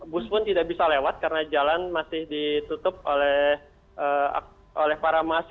bus pun tidak bisa lewat karena jalan masih ditutup